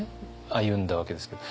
歩んだわけですけど。